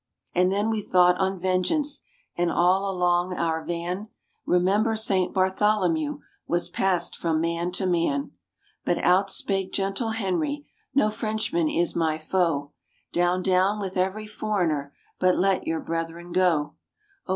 And then we thought on vengeance, and, all along our van, "Remember Saint Bartholomew!" was passed from man to man. But out spake gentle Henry, "No Frenchman is my foe: Down, down with every foreigner, but let your brethren go." Oh!